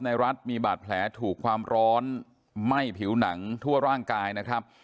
รัฐมีบาดแผลถูกความร้อนไหม้ผิวหนังทั่วร่างกายนะครับ